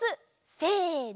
せの！